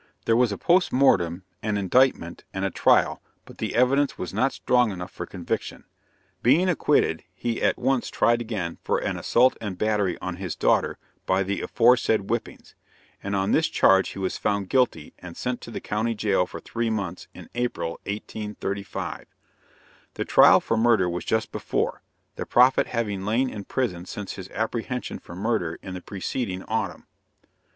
There was a post mortem, an indictment, and a trial, but the evidence was not strong enough for conviction. Being acquitted, he was at once tried again for an assault and battery on his daughter by the aforesaid whippings; and on this charge he was found guilty and sent to the county jail for three months, in April, 1835. The trial for murder was just before the prophet having lain in prison since his apprehension for murder in the preceding autumn.